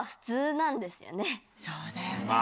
そうだよね。